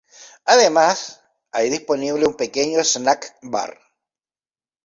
Además, hay disponible un pequeño snack bar.